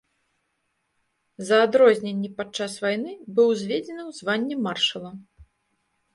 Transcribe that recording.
За адрозненні падчас вайны быў узведзены ў званне маршала.